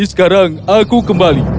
sekarang aku kembali